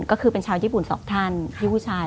ก็คือเป็นชาวญี่ปุ่น๒ท่านพี่ผู้ชาย